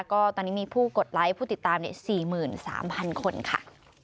ก็ตอนนี้มีผู้กดไลค์ผู้ติดตาม๔๓๐๐คนค่ะ